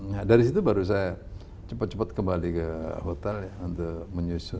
nah dari situ baru saya cepat cepat kembali ke hotel ya untuk menyusun